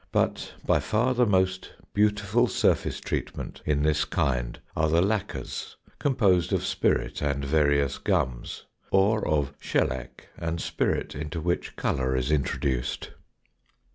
But by far the most beautiful surface treatment in this kind are the lacquers, composed of spirit and various gums, or of shellac and spirit into which colour is introduced.